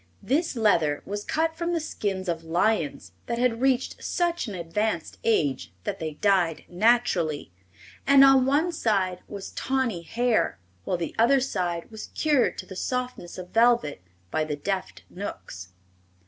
This leather was cut from the skins of lions that had reached such an advanced age that they died naturally, and on one side was tawny hair while the other side was cured to the softness of velvet by the deft Knooks.